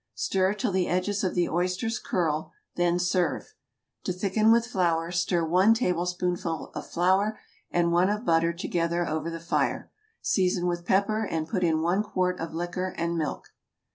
Stir till the edges of the oysters curl; then serve. To thicken with flour, stir one tablespoonful of flour and one of butter together over the fire. Season with pepper, and put in one quart of liquor and milk.